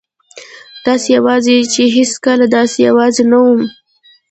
داسې یوازې چې هېڅکله داسې یوازې نه وم.